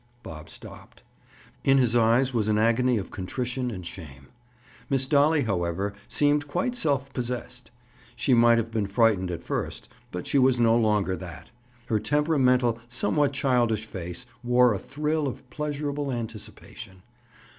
Bob stopped. In his eyes was an agony of contrition and shame. Miss Dolly, however, seemed quite self possessed. She might have been frightened at first, but she was no longer that. Her temperamental, somewhat childish face wore a thrill of pleasurable anticipation.